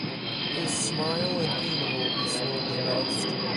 His smile and humor will be sorely missed.